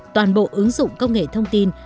toàn bộ ứng dụng công nghệ thông tin